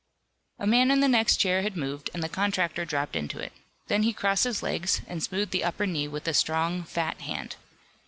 A man in the next chair had moved and the contractor dropped into it. Then he crossed his legs, and smoothed the upper knee with a strong, fat hand.